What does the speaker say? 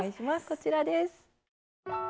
こちらです。